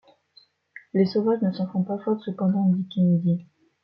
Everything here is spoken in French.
Les sauvages ne s’en font pas faute, cependant, dit Kennedy.